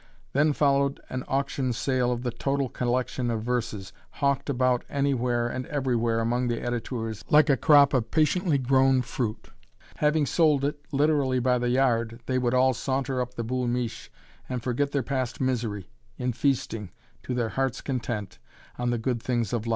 Then followed an auction sale of the total collection of verses, hawked about anywhere and everywhere among the editeurs, like a crop of patiently grown fruit. Having sold it, literally by the yard, they would all saunter up the "Boul' Miche," and forget their past misery, in feasting, to their hearts' content, on the good things of life.